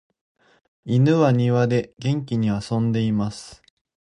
犬は庭で元気に遊んでいます。